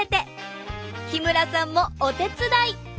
日村さんもお手伝い！